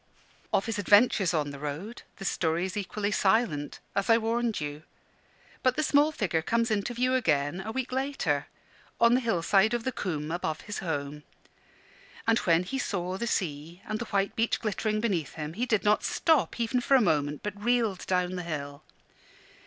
Of his adventures on the road the story is equally silent, as I warned you. But the small figure comes into view again, a week later, on the hillside of the coombe above his home. And when he saw the sea and the white beach glittering beneath him, he did not stop, even for a moment, but reeled down the hill.